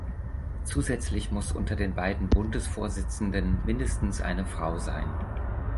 Zusätzlich muss unter den beiden Bundesvorsitzenden mindestens eine Frau sein.